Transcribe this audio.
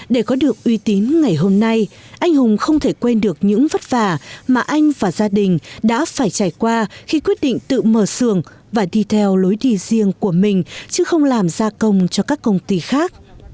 để có được uy tín ngày hôm nay anh hùng không thể quên được những vất vả mà anh và gia đình đã phải trải qua khi quyết định tự mở xưởng và đi theo lối đi riêng của mình chứ không làm gia công cho các công ty khác